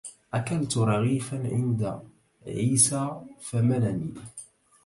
أكلت رغيفا عند عيسى فملني